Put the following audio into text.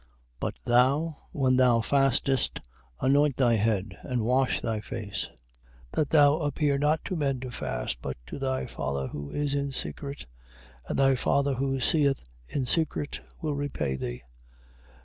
6:17. But thou, when thou fastest anoint thy head, and wash thy face; 6:18. That thou appear not to men to fast, but to thy Father who is in secret: and thy Father who seeth in secret, will repay thee.